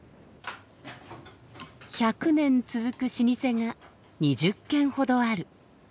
１００年続く老舗が２０軒ほどある。